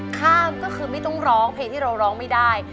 ข้ามก็คือไม่ต้องร้องเพลงที่เราร้องไม่ได้